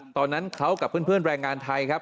ตอนนั้นเขากับเพื่อนแรงงานไทยครับ